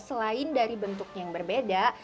selain dari bentuknya yang berbeda